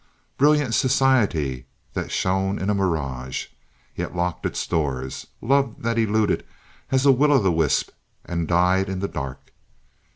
Brilliant society that shone in a mirage, yet locked its doors; love that eluded as a will o' the wisp and died in the dark.